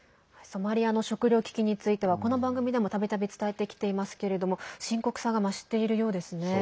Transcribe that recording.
ソマリアの食料危機についてはこの番組でも、たびたび伝えてきていますけれども深刻さが増しているようですね。